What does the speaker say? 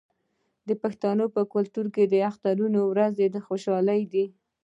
د پښتنو په کلتور کې د اخترونو ورځې د خوشحالۍ دي.